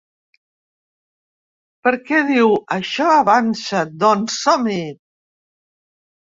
Perquè diu: ‘Això avança, doncs som-hi’.